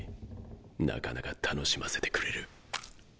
なかなか楽しませてくれる。